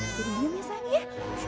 diam ya sayang ya